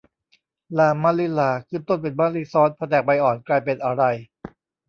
ลามะลิลา ขึ้นต้นเป็นมะลิซ้อน พอแตกใบอ่อน กลายเป็นอะไร